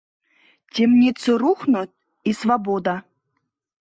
Темницы рухнут — и свобода